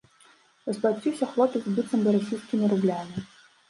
Расплаціўся хлопец быццам бы расійскімі рублямі.